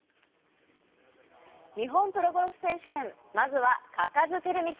日本プロゴルフ選手権、まずは嘉数光倫。